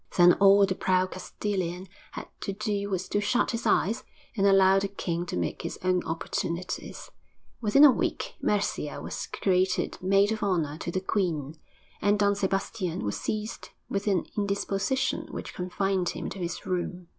Then all the proud Castilian had to do was to shut his eyes and allow the king to make his own opportunities. Within a week Mercia was created maid of honour to the queen, and Don Sebastian was seized with an indisposition which confined him to his room.